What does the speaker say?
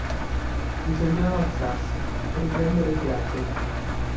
Bisognava alzarsi, riprendere il viaggio.